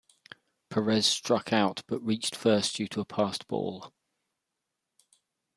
Perez struck out but reached first due to a passed ball.